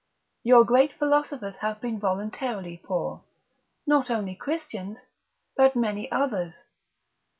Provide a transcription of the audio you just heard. Your great Philosophers have been voluntarily poor, not only Christians, but many others.